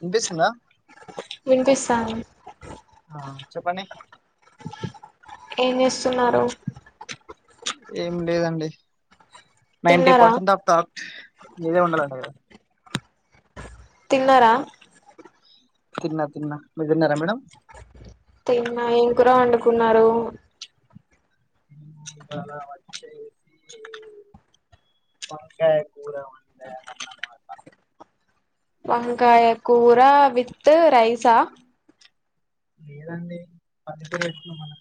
వినిపిస్తుందా వినిపిస్తాంది ఆ చెప్పండి ఏం చేస్తున్నారు ఏం లేదండి నైంటీ తిన్నారా పర్సెంట్ ఆఫాప్ మీరే ఉండాలంట కదా తిన్నరా తిన్నా తిన్నా మీరు తిన్నారా మేడం తిన్నా ఏం కూర వండుకున్నారు ఇవాళ వచేసి వంకాయ కూర వన్డామ్ అనమాట వంకాయ కూర విత్ రైసా లేదండి పదితులు పెట్న్నాం మనక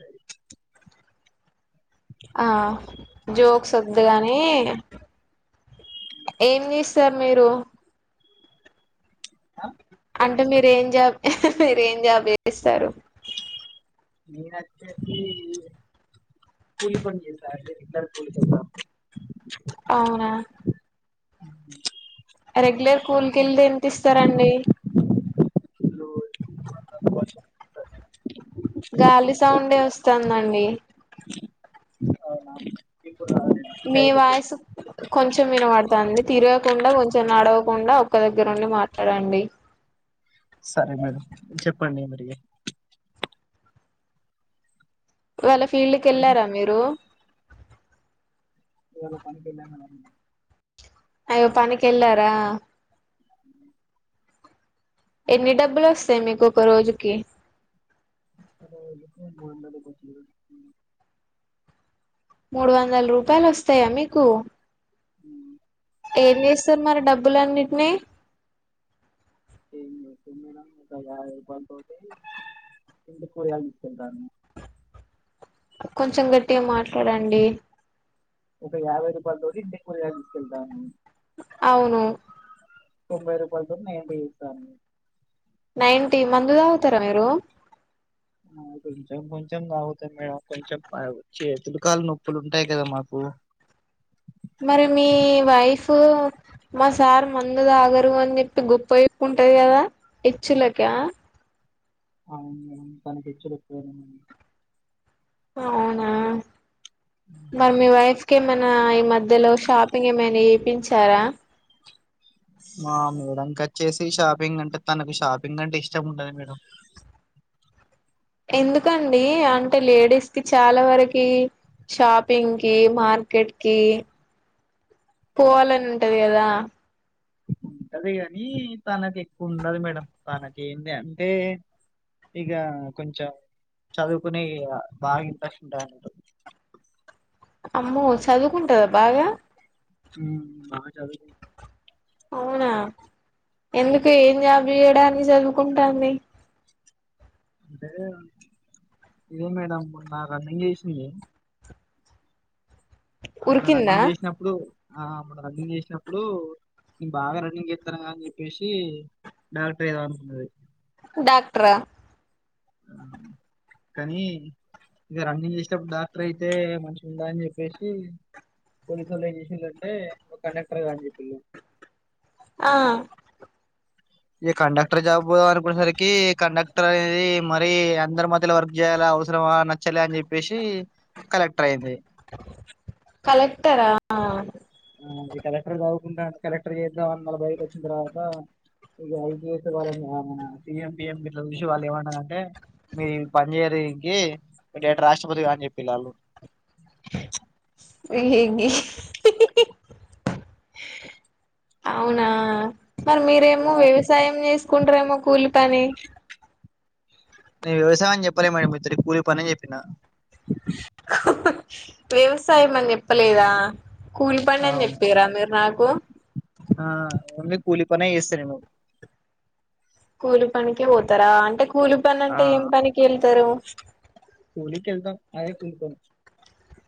ఆ జోక్స్ వదు కాని ఏం చేస్తారు మీరు ఆ ఏం అంటే మీర చేస్తారు ఏం జాబ్ మీరేం జాబ్ చేస్తారు [unintelligible] కూలి పని చేస్తా కూలి పని అవునా [inaudible] రెగ్యులర్ కూలి కెళ్తే ఎంత ఇస్తారండి ఎంత అన్ గాలి సౌండే వస్తందండీ అవునా ఇప్పుడు మీ రాలేదండి వాయిసు కొంచెం వినపడతంది తిరగకుండా కొంచెం నడవకుండా ఒక్క దగ్గరఉండి మాట్లాడండి పడి మరిగ వాళ్ళ ఫీల్డ్ కి మీరే వెళ్ళారా మీరు ఏద పని అయ్యో పనికెళ్ళారా ఎని డబ్బులు వస్తాయి మీకు ఒకరోజుకి నాకు మూడు వందల రూపాయలు మూడు వందల రూపాయలు వస్తాయా మీకు హ ఏం చేస్తారు మరి డబ్బులన్నిటినీ ఏం చేస్తాం మేడమ్ [unintelligible] ఎంటి కూయగి చెరు కొంచెం గట్టిగా మాట్లాడండి ఒక యాభై రూపాయలు తోటి ఇంటికి కూరగాయలు తీసుకెళ్తాఅండి అవును తొంబై రూపాయలతో నైన్ టి వేస్తా నైన్ టీ మందు తాగుతారా మీరు ఆ కొంచెం కొంచెం తాగుతాను మేడం కొంచెం అ చే మోకాలు నొప్పులు ఉంటాయి కదా మాకు మరి మీ వైఫ్ మా సార్ మందు దాగరు అని చెప్పి గొప్ప చెపుకుంటది కదా హేచ్చులక అవును తనకిచ్చలుపో అవునా మరి మీ వైఫ్ కి ఏమన్ నా ఈ మధ్యలో షాపింగ్ ఏమైనా చేపించారా ఆ మేడంక వచ్చేసి షాపింగ్ అంటే తనకు షాపింగ్ అంటే ఇష్టం ఉండదు మేడం ఎందుకండి అంటే లేడీస్ కి చాలా వరకి షాపింగ్ కి మార్కెట్ కి పోవాలని ఉంటది కదా ఉంటది కాని తనకు ఎక్కువ ఉండదు మేడం తనకేంటీ అంటే ఇగా కొంచెం చదువుకునే బాగా ఇంట్రెస్ట్ ఉంటది అమ్మో చదువుకుంటదా బాగా ఉమ్ బాగా చదువుతాది అవునా ఎందుకు ఏం జాబ్ చేయడానికి చదువుకుంటాంది అంటే ఇదే మేడం మొన్న రన్నింగ్ చేసింది మొన్న ఉరికిందా రన్నింగ్ చేసినప్పుడు ఆ మొన్న రన్నింగ్ చేసినప్పుడు ఇ బాగా రన్నింగ్ చేస్తానారు అని చెప్పేసి డాక్టర్ ఏం [unintelligible] డాక్టర్ ఆ కనీ ఇక రన్నింగ్ చేసేటప్పుడు డాక్టర్ అయితే మంచిగా ఉందా అని చెప్పేసి పోలీసు వాళ్ళు ఏం చేసిన్రంటే నువ్వు కండక్టర్గా అని చెపిన్రు ఆ ఇగా కండక్టర్ జాబు అనుకునే సరికి కండక్టర్ అనేది మరీ అందరి మధ్యలో వర్క్ చేయ్యాలా అవసరమా నచ్చలే అని చెప్పేసి కలెక్టర్ అయింది కలెక్టరా ఆ ఇ కలెక్టర్ కాకుండా కలెక్టర్ చేదం అని బయట వచ్చిన తర్వాత ఇక ఐ సి ఎం, మన సి ఎం ఎం పిఎం ఎట్లా చూసి వాళ్ళు ఏమన్నారంటే మీరు పని చేయరు దీనికి ఏటాట రాష్ట్రపతి గా అని చెప్పిలు వాలు ఎంది అవునా మరి ఇగ మీరేమో రాష్ట్రపతి వ్యవసాయం చేసుకుంటారేమో కూలి పని నేను వ్యవసాయం అని చెప్పాలె మేడం మొత్తోటి కూలి పనే చెప్పిన వ్యవసాయం అని చెప్పలేదా కూలి పని అని అవును చెప్పిరా మీరు నాకు ఆ ఓన్లీ కూలి పనే చేస్తా నేను కూలి పనికే పోతారా అంటే కూలి పని ఆ అంటే ఏం పనికి ఏళ్తారు అయి తుకాంచ్ [unintelligible]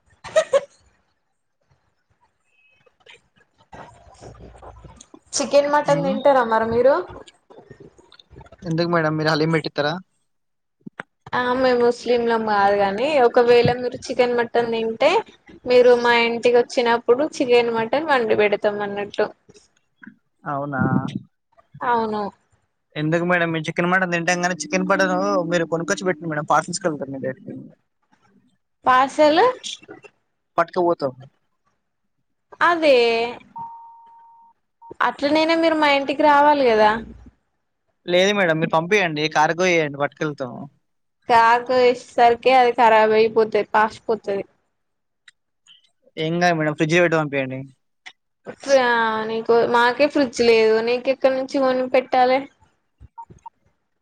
చికెన్ మటన్ ఉమ్ తింటారా మరి మీరు ఎందుకు మేడమ్ మీరు హలీం పెట్టిథారా ఆ మేము ముస్లింలు కాదు కాని ఒకవేళ మీరు చికెన్ మటన్ తింటే మీరు మా ఇంటికి వచ్చినప్పుడు చికెన్ మటన్ వండి పెడతాం అన్నట్టు అవునా అవును ఎందుకు మేడం మీరు చికెన్ మటన్ తింటాంగానీ చికెన్ పటన్ మీరు కొనుకొచ్చి పెట్టిండి మేడం పార్సిల్ టేస్కెల్తం మీరు డైరెక్ట్ పార్సల్ పట్క పోతాం అదే అట్లనైనా మీరు మా ఇంటికి రావాలి కదా లేదు మేడం మీరు పంపయండి కార్గోయండి పట్కెల్తం కార్గోవేసేసరికిే అది ఖరాబ్ అయిపోతుది పాసిపోతది ఏం కాదు మేడం ఫ్రిడ్జ్లో పెట్టీ పంపియండి అ [unintelligible] మాకే ఫ్రిడ్జ్ లేదు నీకె ఎక్కడి నుంచి కొని పెట్టాలి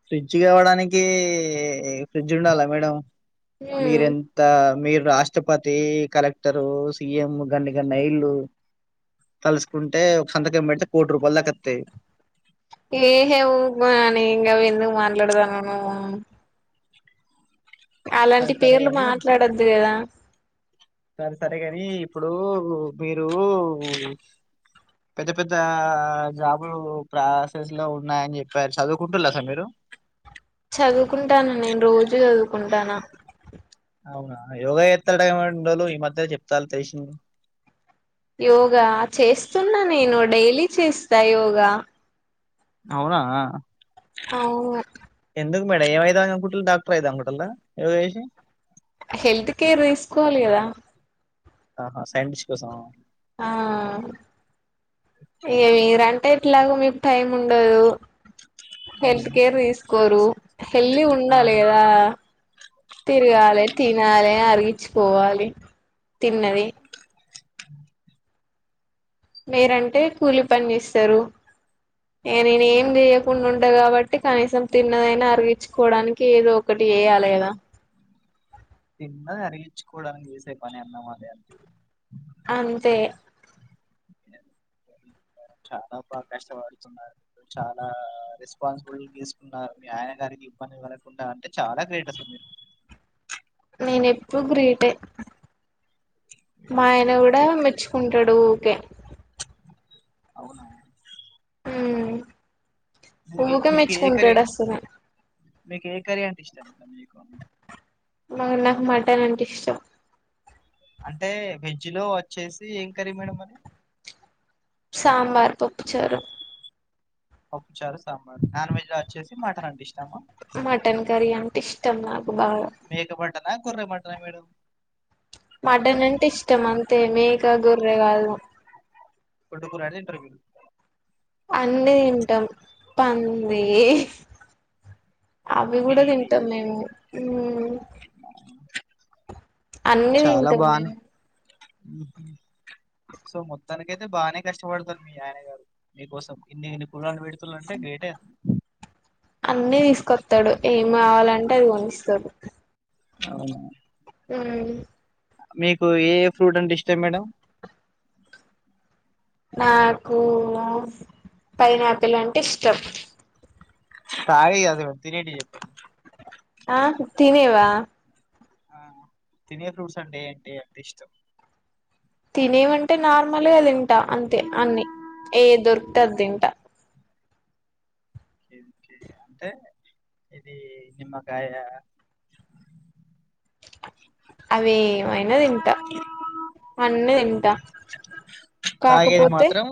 ఫ్రిడ్జ్ కావడానికి ఫ్రిడ్జ్ ఉండాలా మేడం ఉమ్ మీరెంత మీర రాష్ట్రపతి కలెక్టరు సి ఎం గన్ని గన్న అయిలు తలుసుకుంటే ఒక సంతకామ్ పెడితే కోటి రూపాయలు దక్కస్తాయి ఏహే ఉకో అని ఇంకా ఎందుకు మాట్లాడతానును అలాంటి సరే సరే పేర్లు కాని మాట్లాడద్దు కదా సరే సరే కాని ఇప్పుడు మీరుఉ పెద్ద పెద్దా జాబులు ప్రాసెస్ లో ఉన్నాయని చెప్పారు చదువుకుంటులా అసలు మీరు చదువుకుంటున్న నేను రోజు చదువుకుంటానా అవునా యోగా చేస్తా ఇన్ని రోజులు ఈ మధ్య చెప్తాలు తెలిసిది యోగా చేస్తున్నా నేను డైలీ చేస్తా యోగా అవునా అవును ఎందుకు మేడం ఎమ్యదం అనుకుంటూరు డాక్టర్ అయిదం అనుకుంటూరా ఏదో చేసి హెల్త్ కేర్ తీసుకోవాలి కదా ఆహా సైంటిస్ట్ కోసం మా ఆ ఏ మీరంటే ఎట్లాగు మీకు టైం ఉండదు హెల్త్ ఉమ్ కేర్ తీసుకోరు హెల్తీగా ఉండాలి ఆహా కదా తిరగాలి అవునులేండి మేడం తినాలి అరిగించుకోవాలి తిన్నది మీరంటే కూలి పని చేస్తారు ఇగ అవును నేను ఏం చేయకు ఉండు ఉండ కాబట్టి కనీసం తిన్నదైనా అరిగించుకోవడానికి ఏదో ఒకటి చేయాలి కదా తిన్నది అరిగించుకోవడానికి చేసే పని అన్నం అదే అంటివి అంతే [inaudible] చాలా బాగా కష్టపడుతున్నారు చాలా రెస్పాన్సిబుల్ తీసుకున్నారు మీ ఆయన గారికి ఇబ్బంది పడకుండా అంటే చాలా గ్రేట్ అసలు మీరు తే మా ఆయన గ్రేట్ కూడా గ్రేట్ మెచ్చుకుంటాడు ఊకే అవునా ఉ మీకు ఊకె మీకు ఏ కర్రీ మెచ్చుకూంటాడు అసలు మీకు ఏ కర్రీ అంటే ఇష్టం మీకు మ నాకు మటన్ అంటే ఇష్టం అంటే వెజ్ లో వచ్చేసి ఏం కరీ మేడం మరి సాంబార్ పప్పు చారు పప్పుచారు సాంబార్ నాన్ వెజ్ లా వచ్చేసి మాటన్ అంటే ఇష్టం మటన్ కరీ అంటే ఇష్టం నాకు బాగా మేక మటన్ నా గొర్రె మటన్ నా మేడం మటన్ అంటే ఇష్టం అంతే మేక గొర్రె కాదు గొడ్డుకురా గాని తింటారు మీరు అన్నీ తింటాం పంది అవి కూడా పిల్లి తింటాం మేము అన్ని చాలా తింటం బానే మేము సో మొత్తానికి అయితే బానే కష్టపడతారు మీ ఆయన గారు నీకోసం ఇన్ని ఇన్ని కూరలు పెడుతులు అంటే గ్రేటే అన్నీ తీసుకొస్తాడు ఏమి కావాలంటే అది కొనిస్తాడు అవునా ఉహు మీకు ఏ ఫ్రూట్ అంటే ఇష్టం మేడం నాకు పైనాపిల్ అంటే ఇష్టం తాగేవి కాదు తినేటివి చెప్పు ఆ తినేవా ఆ తినే ఫ్రూట్స్ అంటే ఏంటంటే అంత ఇష్టం తినేవంటే నార్మల్ గా తింటా అంతే అన్ని ఏది దొరికితే అది తింట ఓకే ఓకే అంటే ఇది నిమ్మకాయ అవి అయినా తింటా అన్నీ తింటా తాగేది కాకపోతే మాత్రం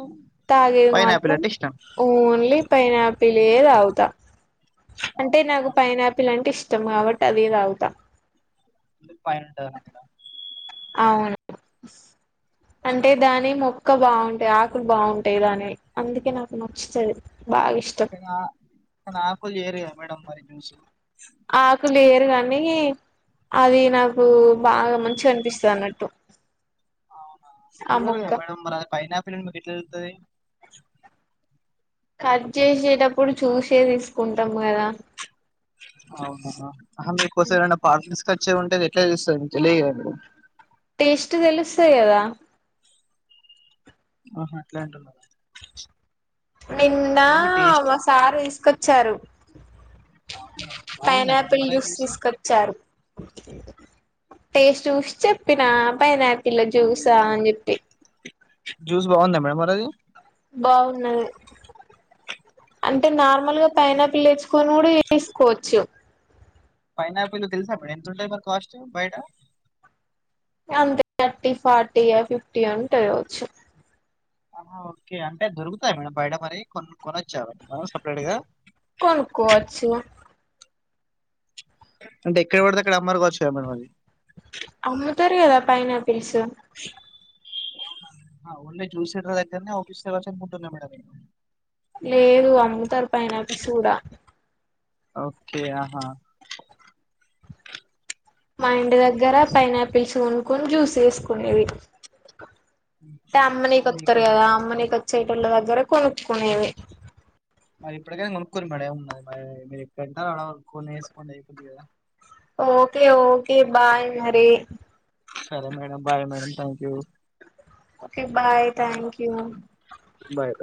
తాగేది పైనాపిల్ మాత్రం అంటే ఇష్టం ఓన్లీ పైనాపిల్ ఏ తాగుతా అంటే నాకు అవునా, పైనాపిల్ అంటే ఇష్టం కాబట్టి. అదే దాగుతా ఎందుకు పైనుంటదనా మేడం. అవును అంటే దాని మొక్క బావుంటాయి, ఆకులు బావుంటాయి దానివి, అందుకే నాకు నచ్చుతది. బాగా ఇష్టం కానీ ఆ కాన ఆకులు చెయ్యరు గదా మేడం. మరి జ్యూసు ఆకు లేయ్యార్ గానీ. అది నాకు బాగా మంచిగనిపిస్తదన్నట్టు. అవునా చూడరు గదా మేడం. మరి ఆది పైనాపిల్ అని మీకెట్ల తెల్తది. కట్ జేసేటప్పుడు చూసే తీసుకుంటాం గాదా. అవునా ఆహా మీకోసం ఎవరైనా [unintelligible] తెచ్చే ఉంటే అది ఏట్ల తెలుస్తది. తెలీదు గాదండి టేస్ట్ తెలుస్తాద్ గాదా. ఆహా అట్లాంటున్నారా? నిన్న మా సారూ తీసుకొచ్చారు. అవునా బాగుందా మేడం పైనాపిల్ మరి ఆ జ్యూస్ తీసుకొచ్చారు. టేస్ట్ చూసి చెప్పినా పైనాపిల జ్యూసా అని చెప్పి. జ్యూస్ బావుందా మేడం. మరది. బావున్నది. అంటే నార్మల్ గా పైనాపిల్ తెచ్చుకొని, గూడా చేసుకోవచ్చు. పైనాపిల్ తెలుసా మేడం. ఎంతుంటాయి మరి కాస్ట్స్ బయ్టా. ఇగ అంతే థర్టీ, ఫార్టీయో, ఫిఫ్టీయో, ఉంటాద్ గావచ్చు. ఆహ ఓకే అంటే దొరుకుతాయా మేడం. బయట మరి కొన్ కొన చ్చ మనం సపరేట్ గా కొనుక్కోవచ్చు అంటే ఎక్కడ పడితే అక్కడ అమ్మరు గావచ్చు గదా. మేడం అవి అమ్ముతారు గదా పైనాపిల్స్ అవునా ఆ ఓన్లీ జ్యూస్ సెంటర్ దగ్గరనే అవ్పిస్తయ్ గావచ్చనుకుంటున్నా. మేడం నేను లేదు అమ్ముతర్ పైనాపిల్స్ గూడా ఓకే ఆహా మా ఇంటి దగ్గర పైనాపిల్స్ కొనుక్కొని, జ్యూస్ చేసుకోనేది. అంటే సో అమ్మనీకి ఒత్తరు మీకు గదా అమ్మనీకో చ్చేటోల్ల దగ్గర కొనుక్కునేది. మరి ఇప్పటికైనా కొనుక్కోర్రి మేడం ఏమున్నది. మరి మీరిక్కంటడం. కొనేసుకోండి అయిపోద్ది గదా. ఓకే ఓకే బాయ్ మరి సరే madam, bye madam thank you. Okay bye thank you. Bye